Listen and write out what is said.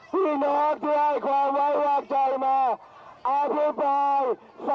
ที่นอกได้ความว่ายวักใจมา